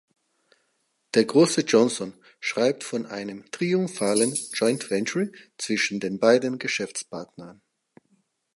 Der große Johnson schreibt von einem „triumphalen Joint Venture“ zwischen den beiden Geschäftspartnern.